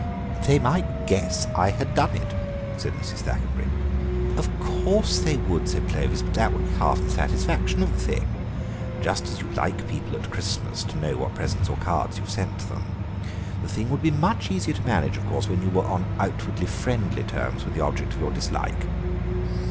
"They might guess I had done it," said Mrs. Thackenbury. "Of course they would," said Clovis; "that would be half the satisfaction of the thing, just as you like people at Christmas to know what presents or cards you've sent them. The thing would be much easier to manage, of course, when you were on outwardly friendly terms with the object of your dislike.